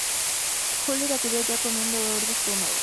Hurley acude a Jack con un dolor de estómago.